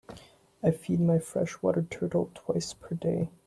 I feed my fresh water turtle twice per day.